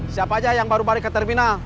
siapa aja yang baru balik ke terminal